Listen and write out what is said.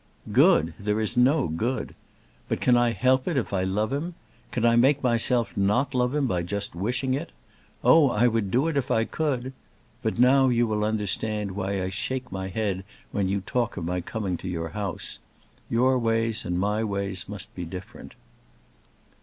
"Good! there is no good. But can I help it, if I love him? Can I make myself not love him by just wishing it? Oh, I would do it if I could. But now you will understand why I shake my head when you talk of my coming to your house. Your ways and my ways must be different."